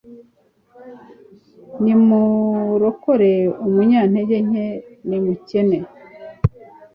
nimurokore umunyantegenke n'umukene